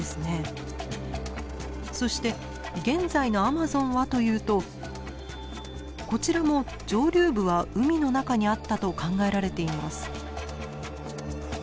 そして現在のアマゾンはというとこちらも上流部は海の中にあったと考えられています。